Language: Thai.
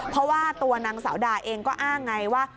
เพราะว่าตัวนางสาวดาเองก็อ้างไงว่า